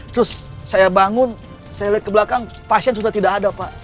terus saya bangun saya lihat ke belakang pasien sudah tidak ada pak